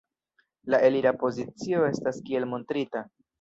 La elira pozicio estas kiel montrita.